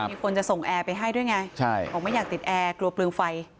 มีคนจะส่งแอร์ไปให้ด้วยไงใช่บอกไม่อยากติดแอร์กลัวเปลืองไฟ